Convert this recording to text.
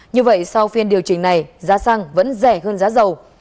như vậy sau phiên điều chỉnh này giá xăng vẫn rẻ hơn giá dầu